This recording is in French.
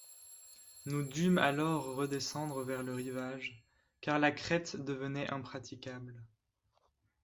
Nous dûmes alors redescendre vers le rivage, car la crête devenait impraticable.